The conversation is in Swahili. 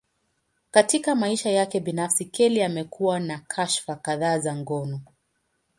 Katika maisha yake binafsi, Kelly amekuwa na kashfa kadhaa za ngono.